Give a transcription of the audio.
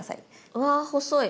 うわ細い。